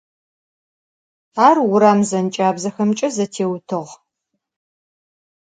Ar vuram zenç'abzexemç'e zetêutığe.